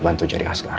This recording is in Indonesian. bantu cari askara